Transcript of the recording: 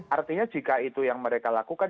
artinya jika itu yang mereka lakukan